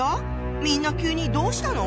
みんな急にどうしたの？